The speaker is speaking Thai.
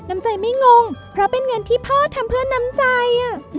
น้ำใจไม่งงเพราะเป็นเงินที่พ่อทำเพื่อน้ำใจ